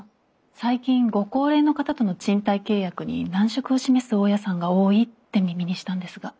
最近ご高齢の方との賃貸契約に難色を示す大家さんが多いって耳にしたんですが。